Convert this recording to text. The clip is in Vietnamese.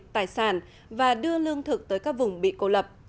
tài sản và đưa lương thực tới các vùng bị cô lập